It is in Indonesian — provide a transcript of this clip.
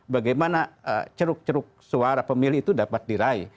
bagaimana ceruk ceruk suara pemilih itu dapat diraih